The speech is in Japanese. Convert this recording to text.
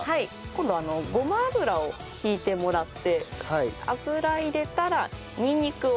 今度はごま油を引いてもらって油入れたらにんにくを。